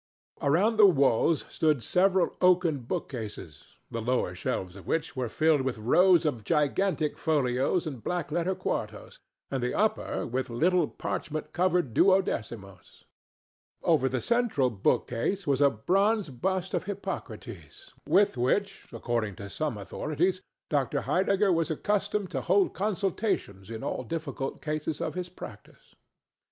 Around the walls stood several oaken bookcases, the lower shelves of which were filled with rows of gigantic folios and black letter quartos, and the upper with little parchment covered duodecimos. Over the central bookcase was a bronze bust of Hippocrates, with which, according to some authorities, Dr. Heidegger was accustomed to hold consultations in all difficult cases of his practice.